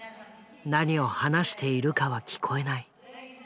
何を話しているかは聞こえない。